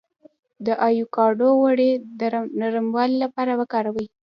د ایوکاډو غوړي د نرموالي لپاره وکاروئ